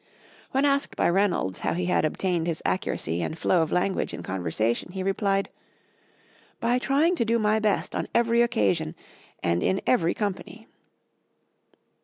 When asked by Reynolds how he had obtained his accuracy and flow of language in conversation, he replied, "By trying to do my best on every occasion and in every company."